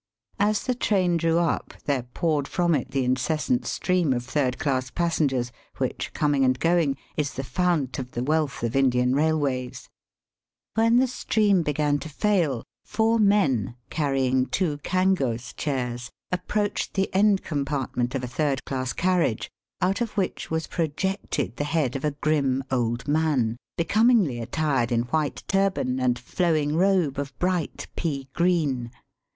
As the train drew up there poured from it the incessant stream of third class passengers which, coming and going, is the fount of the wealth of Indian railways. When the stream began to fail, four men, carrying two kangos chairs, approached the end compartment of a third class carriage, out of which was pro jected the head of a grim old man, becomingly attired in white turban and flowing robe of bright pea green.